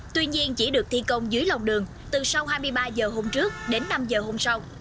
tuy nhiên chỉ được thi công dưới lòng đường từ sau hai mươi ba h hôm trước đến năm h hôm sau